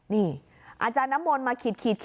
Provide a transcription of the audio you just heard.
นี่อาจารย์น้ำมนต์มาขีด